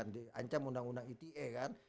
diancam undang undang ite kan